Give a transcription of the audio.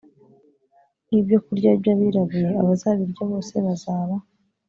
nk ibyokurya by abirabuye abazabirya bose bazaba